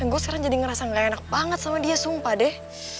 gue sekarang jadi ngerasa gak enak banget sama dia sumpah deh